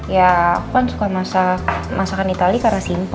ya aku kan suka masak masakan itali karena simple